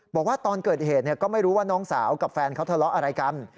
บอกว่าตอนเกิดเหตุก็ไม่รู้ว่าน้องสาวกับแฟนเขาทะเลาะอะไรกัน